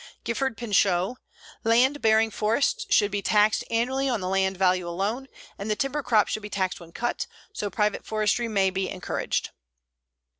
GIFFORD PINCHOT: Land bearing forests should be taxed annually on the land value alone, and the timber crop should be taxed when cut, so private forestry may be encouraged.